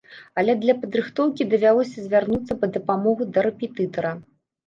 Але для падрыхтоўкі давялося звярнуцца па дапамогу да рэпетытара.